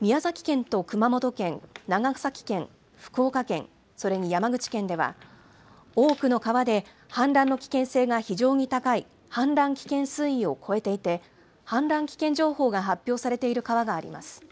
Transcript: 宮崎県と熊本県、長崎県、福岡県、それに山口県では、多くの川で氾濫の危険性が非常に高い氾濫危険水位を超えていて、氾濫危険情報が発表されている川があります。